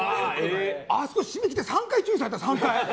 あそこ閉めてって３回注意されたよ。